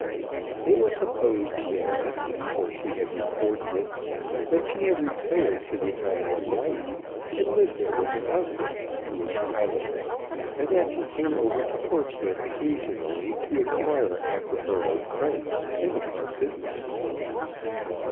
It was supposed there, for she had reported it, that she had retired to the Isle of Wight, and lived there with her husband, who was a pilot, and that she came over to Portsmouth occasionally, to inquire after her old friends, and upon business.